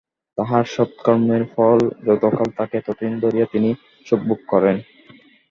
তাঁহার সৎকর্মের ফল যতকাল থাকে, ততদিন ধরিয়া তিনি সুখভোগ করেন।